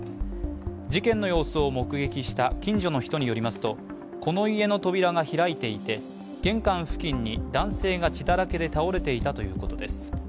事件の様子を目撃した近所の人によりますとこの家の扉が開いていて、玄関付近に男性が血だらけで倒れていたということです。